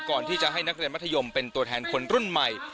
ก่อนที่จะให้นักเรียนมัธยมเป็นตัวแทนคนรุ่นใหม่